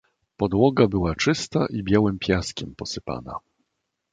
"Podłoga była czysta i białym piaskiem posypana."